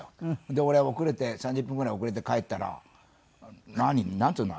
で俺遅れて３０分ぐらい遅れて帰ったら何？なんていうの？